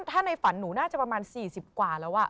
ถ้าในฝันหนูน่าจะประมาณ๔๐กว่าแล้ว